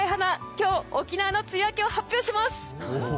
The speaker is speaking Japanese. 今日、沖縄の梅雨明けを発表します！